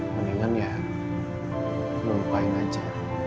mendingan ya lu lupain aja